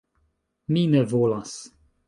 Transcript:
Mi ne volas!